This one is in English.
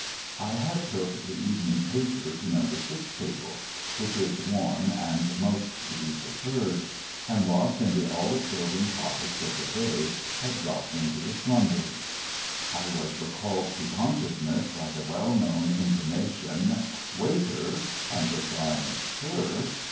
1 had took the evening paper to No. 6 table, — which is warm CONSCIENCE STRICKEN 317 and most to be preferred, — and, lost in the all absorbing topics of the day, had dropped into a slumber. I was recalled to conscious ness by the well known intimation, ' Waiter !' and replying, ' Sir